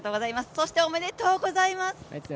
おめでとうございます。